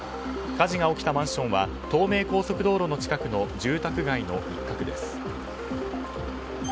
火事が起きたマンションは東名高速道路近くの住宅街の一角です。